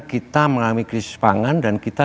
kita mengalami krisis pangan dan kita